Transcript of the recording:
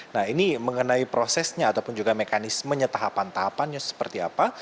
nah ini mengenai prosesnya ataupun juga mekanismenya tahapan tahapannya seperti apa